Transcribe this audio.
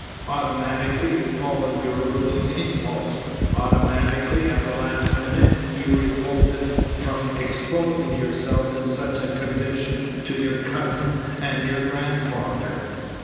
Automatically you followed your ruling impulse. Automatically at the last minute you revolted from exposing yourself in such a condition to your cousin and your grandfather.